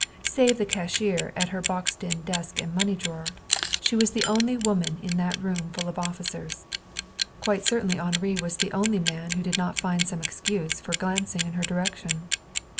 Save the cashier at her boxed in desk and money drawer, she was the only woman in that room full of officers. Quite certainly Henri was the only man who did not find some excuse for glancing in her direction.